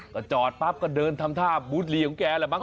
ก็จอดปั๊บก็เดินทำท่าบูธลีของแกแหละมั้